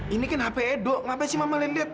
ini kan hp edo ngapain sih mama lihat